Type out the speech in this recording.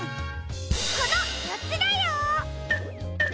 このよっつだよ！